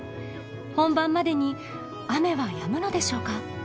本番までに雨はやむのでしょうか？